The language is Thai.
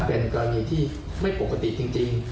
เป็นกรณีที่ไม่ปกติจริง